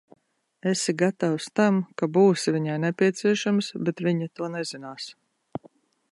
Esi gatavs tam, ka būsi viņai nepieciešams, bet viņa to nezinās.